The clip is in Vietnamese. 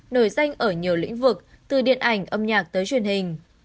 nổi danh ở nhiều lĩnh vực từ điện ảnh âm nhạc tới truyền hình